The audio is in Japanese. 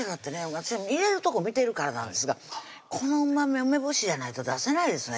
私は入れるとこ見てるからなんですがこのうまみは梅干しじゃないと出せないですね